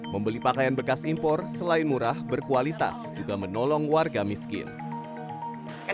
membeli pakaian bekas impor selain murah berkualitas juga menolong warga miskin